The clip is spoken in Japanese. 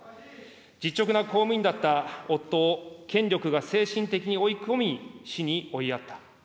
実直な公務員だった夫を、権力が精神的に追い込み、死に追いやった。